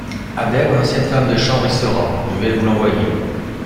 Adèle, mon ancienne femme de chambre, y sera ; je vais vous l’envoyer.